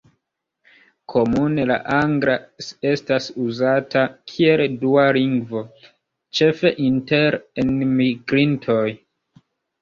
Komune, la angla estas uzata kiel dua lingvo, ĉefe inter enmigrintoj.